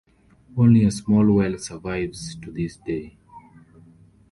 Only a small well survives to this day.